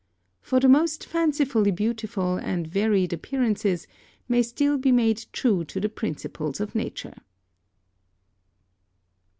For the most fancifully beautiful and varied appearances may still be made true to the principles of nature.